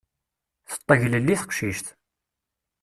Teṭṭeglelli teqcict.